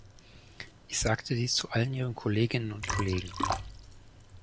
Ich sagte dies zu allen Ihren Kolleginnen und Kollegen.